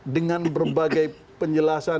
dengan berbagai penjelasan